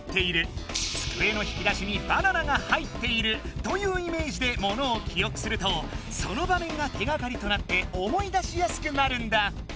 「つくえの引き出しにバナナが入っている」というイメージでものを記憶するとその場面が手がかりとなって思い出しやすくなるんだ。